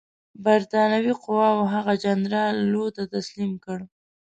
برټانوي قواوو هغه جنرال لو ته تسلیم کړ.